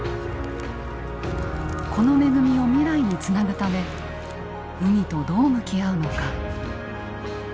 この恵みを未来につなぐため海とどう向き合うのか。